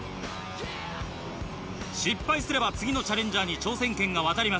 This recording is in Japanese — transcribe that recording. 失敗すれば次のチャレンジャーに挑戦権が渡ります。